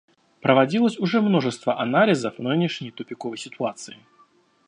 Проводилось уже множество анализов нынешней тупиковой ситуации.